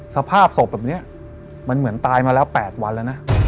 สภาพศพแบบนี้มันเหมือนตายมาแล้ว๘วันแล้วนะ